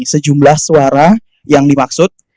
sejumlah suara yang dimaksud